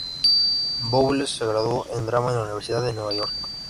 Bowles se graduó en Drama en la Universidad de Nueva York.